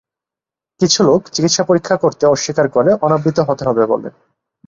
কিছু লোক চিকিৎসা পরীক্ষা করতে অস্বীকার করে অনাবৃত হতে হবে বলে।